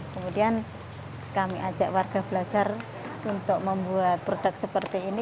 kemudian kami ajak warga belajar untuk membuat produk seperti ini